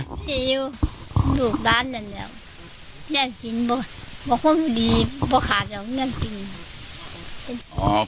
เริ่มรู้บ้านอ่ะเนี่ยเริ่มกินเย็นเขาดีเพราะขาดอ่ะเริ่มกิน